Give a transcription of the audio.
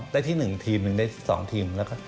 ได้ที่๑ทีม๑ได้๒ทีม